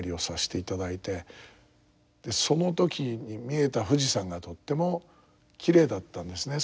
その時に見えた富士山がとってもきれいだったんですね